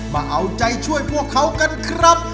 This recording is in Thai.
มาเอาใจช่วยพวกเขากันครับ